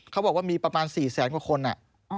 เขาบอกว่ามีประมาณ๔แสนกว่าคนอ่ะ